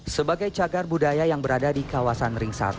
sebagai cagar budaya yang berada di kawasan ring satu